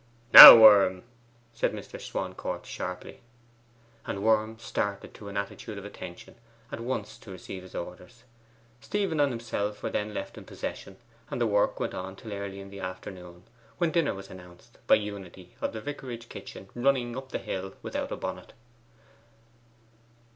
'Now, Worm!' said Mr. Swancourt sharply; and Worm started into an attitude of attention at once to receive orders. Stephen and himself were then left in possession, and the work went on till early in the afternoon, when dinner was announced by Unity of the vicarage kitchen running up the hill without a bonnet.